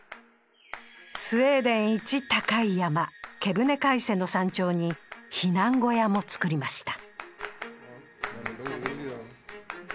スウェーデン一高い山ケブネカイセの山頂に避難小屋もつくりました